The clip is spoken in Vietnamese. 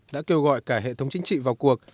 đã kêu gọi cả hệ thống chính trị vào cuộc